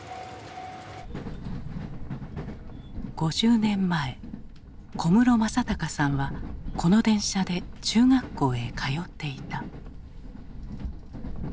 ５０年前小室正孝さんはこの電車で中学校へ通っていた。